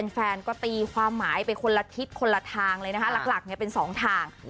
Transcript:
แฟนก็ตีความหมายไปคนละทิศคนละทางเลยนะคะหลักเป็น๒ทาง